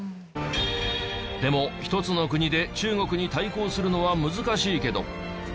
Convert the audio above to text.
でも一つの国で中国に対抗するのは難しいけど。